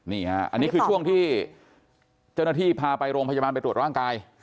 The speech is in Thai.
นี่ฮะอันนี้คือช่วงที่เจ้าหน้าที่พาไปโรงพยาบาลไปตรวจร่างกาย